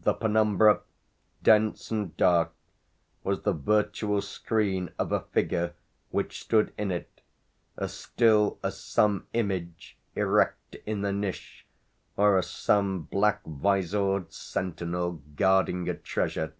The penumbra, dense and dark, was the virtual screen of a figure which stood in it as still as some image erect in a niche or as some black vizored sentinel guarding a treasure.